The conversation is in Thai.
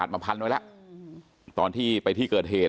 เป็นมีดปลายแหลมยาวประมาณ๑ฟุตนะฮะที่ใช้ก่อเหตุ